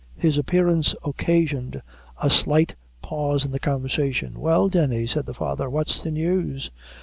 His appearance occasioned a alight pause in the conversation. "Well, Denny," said the father, "what's the news?"